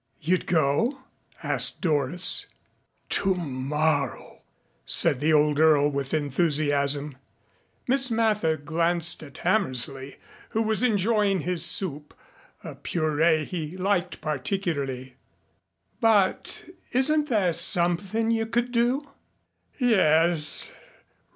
"You'd go?" asked Doris. "Tomorrow," said the old Earl with enthusiasm. Miss Mather glanced at Hammersley who was enjoying his soup, a purée he liked particularly. "But isn't there something you could do?" "Yes.